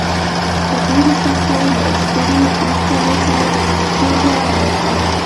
په ډېرې سختۍ له سترې محکمې سره جوړجاړی وکړ.